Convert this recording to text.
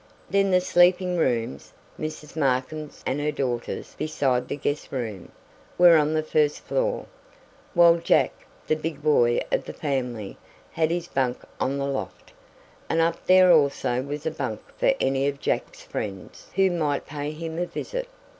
Then the sleeping rooms, Mrs. Markin's and her daughter's, besides the guest room, were on the first floor, while Jack, the big boy of the family, had his "bunk" on the loft, and up there also was a "bunk" for any of Jack's friends who might pay him a visit.